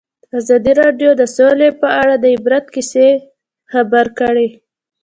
ازادي راډیو د سوله په اړه د عبرت کیسې خبر کړي.